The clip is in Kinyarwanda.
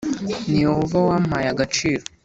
Ni Yehova wampaye agaciro